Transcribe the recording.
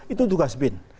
itu tugas bin